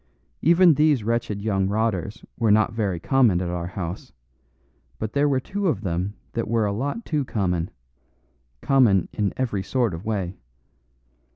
Even these wretched young rotters were not very common at our house; but there were two of them that were a lot too common common in every sort of way.